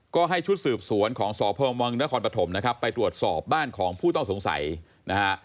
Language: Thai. ก็ให้ชุดสืบสวนของสพมนครปฐมนะครับไปตรวจสอบบ้านของผู้ต้องสงสัยนะฮะ